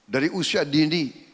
dari usia dini